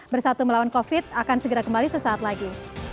bersatu melawan covid akan segera kembali sesaat lagi